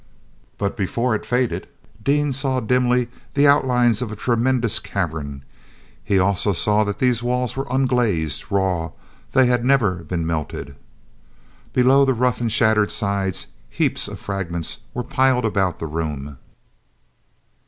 But before it faded, Dean saw dimly the outlines of a tremendous cavern. He saw also that these walls were unglazed, raw; they had never been melted. Below the rough and shattered sides heaps of fragments were piled about the room.